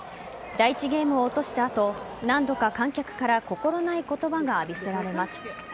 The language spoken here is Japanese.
第１ゲームを落とした後何度か観客から心ない言葉が浴びせられます。